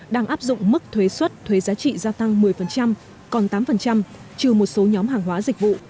đang áp dụng mức thuế xuất thuế giá trị gia tăng một mươi còn tám trừ một số nhóm hàng hóa dịch vụ